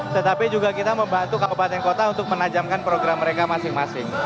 tetapi juga kita membantu kabupaten kota untuk menajamkan program mereka masing masing